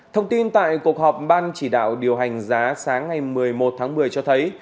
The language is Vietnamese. thông tin tại cuộc họp ban chỉ đạo điều hành giá sáng ngày một mươi một tháng một mươi cho thấy